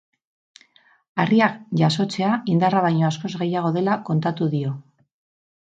Harriak jasotzea indarra baino askoz gehiago dela kontatu dio.